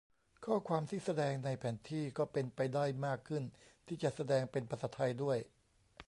ข้อความที่แสดงในแผนที่ก็เป็นไปได้มากขึ้นที่จะแสดงเป็นภาษาไทยด้วย